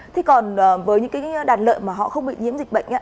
thế còn với những cái đàn lợn mà họ không bị nhiễm dịch bệnh